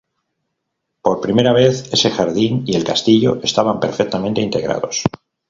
Por primera vez, ese jardín y el castillo estaban perfectamente integrados.